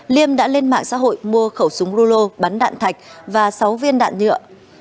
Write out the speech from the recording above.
liêm đã lên mạng xã hội mua khẩu súng rulo bắn đạn thạch và sáu viên đạn nhựa